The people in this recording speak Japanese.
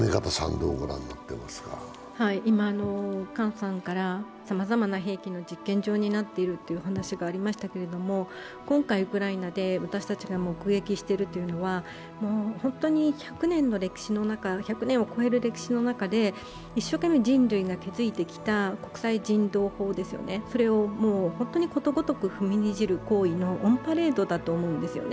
今、姜さんからさまざまな兵器の実験場になっていると話がありましたけれども、今回ウクライナで私たちが目撃しているのは、本当に１００年を超える歴史の中で一生懸命人類が築いてきた国際人道法をことごとく踏みにじる行為のオンパレードだと思うんですよね。